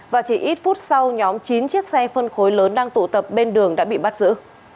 và chỉ ít phút sau nhóm chín chiếc xe phân khối lớn đang tụ tập bên đường đã bị bắt giữ